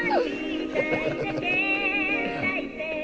ハハハ